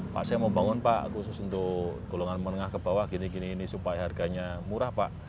pak saya mau bangun pak khusus untuk golongan menengah ke bawah gini gini ini supaya harganya murah pak